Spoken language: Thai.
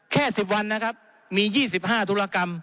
แค่๑๐วันนะครับมี๒๕ธุรกรรม